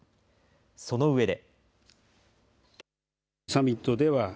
その上で。